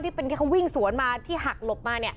ที่เป็นแค่วิ่งสวนมาที่หักหลบมาเนี่ย